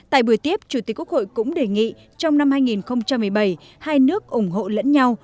tại buổi tiếp chủ tịch quốc hội cũng đề nghị trong năm hai nghìn một mươi bảy hai nước ủng hộ lẫn nhau